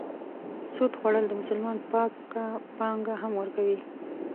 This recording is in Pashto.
سود خوړل د مسلمان پاکه پانګه هم ورکوي.